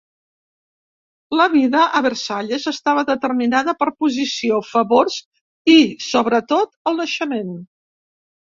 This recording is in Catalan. La vida a Versalles estava determinada per posició, favors i, sobretot, el naixement.